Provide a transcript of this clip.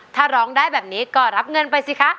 ถ้าร้องได้แบบนี้ก็รับเงินไปสิคะ